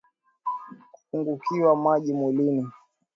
Kupungukiwa maji mwilini